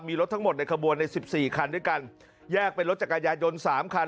มีรถทั้งหมดในขบวนในสิบสี่คันด้วยกันแยกเป็นรถจักรยานยนต์๓คัน